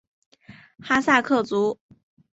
哈萨克族。